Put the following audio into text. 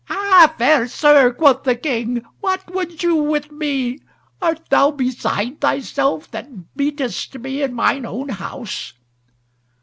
"Ha! fair sir," quoth the King, "what would you with me? Art thou beside thyself, that beatest me in mine own house?"